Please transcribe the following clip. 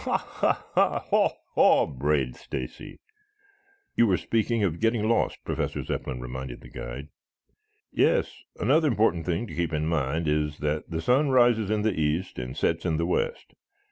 Ha, ha, ha! Haw, haw!" brayed Stacy. "You were speaking of getting lost," Professor Zepplin reminded the guide. "Yes. Another important thing to keep in mind is that the sun rises in the east and sets in the west.